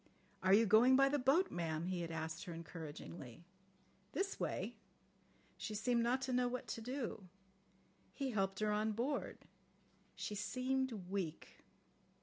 'Are you going by the boat, ma'am,' he had asked her encouragingly. 'This way.' She seemed not to know what to do. He helped her on board. She seemed weak."